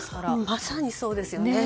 まさにそうですよね。